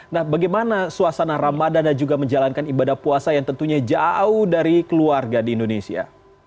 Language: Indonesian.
nah bagaimana suasana ramadan dan juga menjalankan ibadah puasa yang tentunya jauh dari keluarga di indonesia